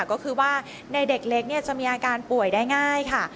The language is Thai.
ก็คือว่าในเด็กเล็กจะมีอาการป่วยได้ง่ายค่ะ